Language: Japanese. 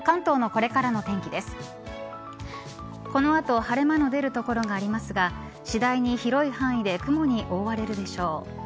この後、晴れ間の出る所がありますが次第に広い範囲で雲に覆われるでしょう。